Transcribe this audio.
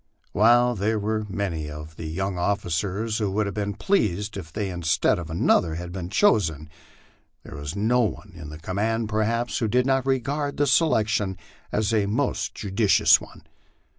While there were many of the young officers who would have been pleased if they instead of another had been chosen, there was no one in the command, perhaps, who did not regard the selection as a most judicious one.